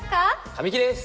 神木です！